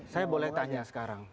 saya boleh tanya sekarang